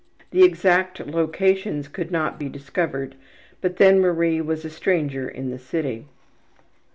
The exact locations could not be discovered, but then Marie was a stranger in the city.